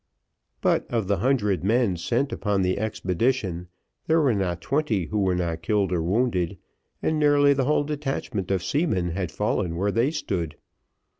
But of the hundred men sent on the expedition, there were not twenty who were not killed or wounded, and nearly the whole detachment of seamen had fallen where they stood.